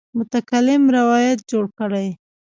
متکلم روایت جوړ کړی.